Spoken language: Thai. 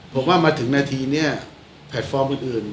ผมว่ามาถึงนาทีนี้แพลตฟอร์มอื่น